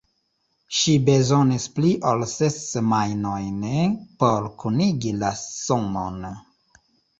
Ŝi bezonis pli ol ses semajnojn por kunigi la sumon.